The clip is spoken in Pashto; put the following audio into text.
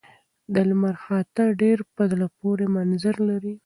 د لمر خاته ډېر په زړه پورې منظر لري.